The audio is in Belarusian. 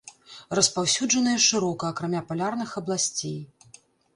Распаўсюджаныя шырока, акрамя палярных абласцей.